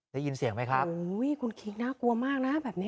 ได้ยินเสียงไหมครับคุณคิกน่ากลัวมากนะแบบนี้